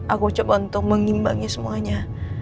aku coba untuk mengimbangi semuanya